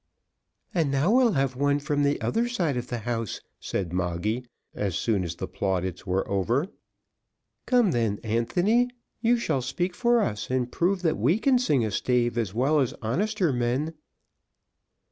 "And now we'll have one from the other side of the house," said Moggy, as soon as the plaudits were over. "Come then, Anthony, you shall speak for us, and prove that we can sing a stave as well as honester men."